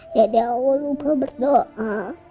jadi aku lupa berdoa